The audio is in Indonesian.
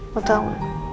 lo tau gak